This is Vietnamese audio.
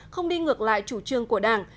không đi ngược lại chủ trương của đảng